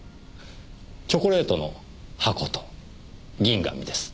チョコレートの箱と銀紙です。